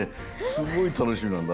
すごいたのしみなんだ。